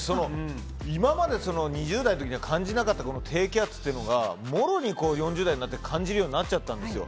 今まで２０代の時に感じなかった低気圧というのを４０代になってもろに感じるようになったんですよ。